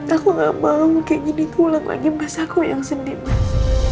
aku gak mau kayak gini tulang lagi mas aku yang sedih mas